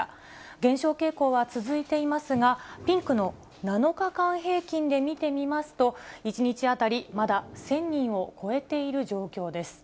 減少傾向は続いていますが、ピンクの７日間平均で見てみますと、１日当たり、まだ１０００人を超えている状況です。